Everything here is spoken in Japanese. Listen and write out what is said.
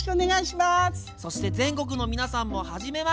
そして全国の皆さんもはじめまして。